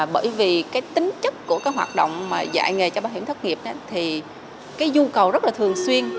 bởi vì cái tính chất của cái hoạt động dạy nghề cho bảo hiểm thất nghiệp thì cái nhu cầu rất là thường xuyên